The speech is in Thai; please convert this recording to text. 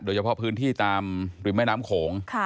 โดยเฉพาะพื้นที่ตามริมแม่น้ำโขง